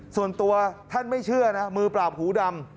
ส่วนตัวท่านไม่เชื่อนะมือปราบหูดำ